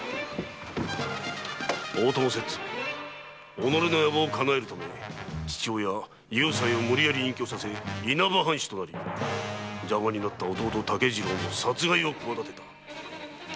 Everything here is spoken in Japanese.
己の野望を叶えるため父親・幽斎を無理矢理隠居させ稲葉藩主となり邪魔になった弟竹次郎の殺害を企てた。